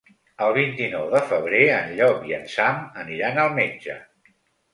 El vint-i-nou de febrer en Llop i en Sam aniran al metge.